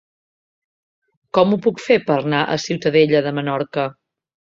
Com ho puc fer per anar a Ciutadella de Menorca?